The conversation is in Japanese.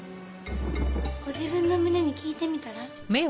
ご自分の胸に聞いてみたら？